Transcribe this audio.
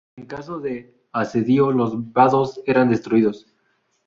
En caso de asedio los vados eran destruidos.